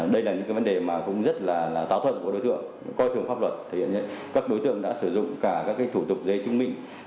đây là những cái vấn đề mà cũng rất là táo thuận của đối tượng coi thường pháp luật các đối tượng đã sử dụng cả các cái thủ tục giấy chứng minh